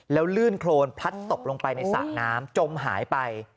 แล้วลื่นโครนพลัดตกลงไปในสระน้ำจมหายไป